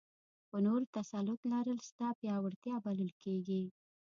په نورو تسلط لرل ستا پیاوړتیا بلل کېږي.